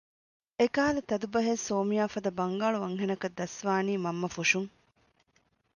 އެކަހަލަ ތަދު ބަހެއް ސޯމްޔާ ފަދަ ބަންގާޅު އަންހެނަކަށް ދަސްވާނީ މަންމަ ފުށުން